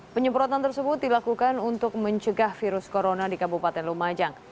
penyemprotan tersebut dilakukan untuk mencegah virus corona di kabupaten lumajang